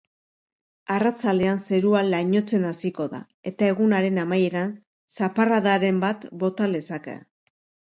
Arratsaldean zerua lainotzen hasiko da, eta egunaren amaieran zaparradaren bat bota lezake.